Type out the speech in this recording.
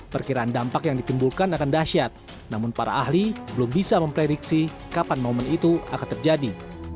perkiraan dampak yang ditimbulkan akan dahsyat namun para ahli belum bisa memprediksi kapan momen itu akan terjadi